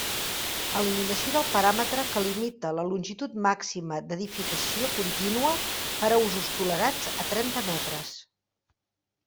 Eliminació del paràmetre que limita la longitud màxima d'edificació contínua per a usos tolerats a trenta metres.